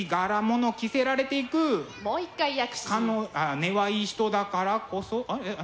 「根はいい人だからこそ」